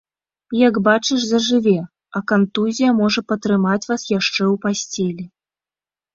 Як бачыш зажыве, а кантузія можа патрымаць вас яшчэ ў пасцелі.